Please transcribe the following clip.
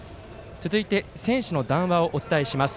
続いて、選手の談話をお伝えします。